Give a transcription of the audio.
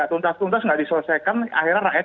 tuntas tuntas nggak diselesaikan akhirnya rakyat